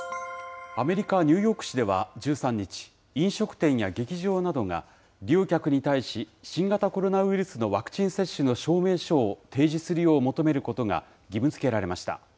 アメリカ・ニューヨーク市では１３日、飲食店や劇場などが、利用客に対し、新型コロナウイルスのワクチン接種の証明書を提示するよう求めることが義務づけられました。